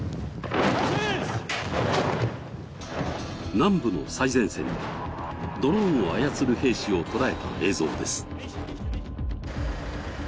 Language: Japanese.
南部の最前線でドローンを操る兵士を捉えた映像です。